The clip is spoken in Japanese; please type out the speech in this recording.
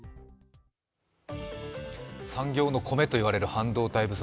産業の米といわれる半導体不足。